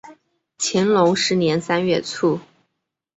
乾隆十年三月卒。